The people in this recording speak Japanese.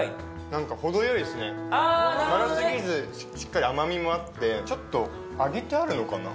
なんか程よいですね辛すぎずしっかり甘みもあってちょっと揚げてあるのかな？